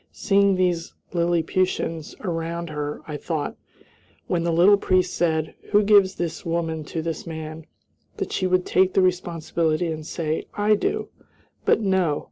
Seeing these Lilliputians around her, I thought, when the little priest said, "Who gives this woman to this man," that she would take the responsibility and say, "I do," but no!